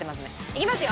いきますよ。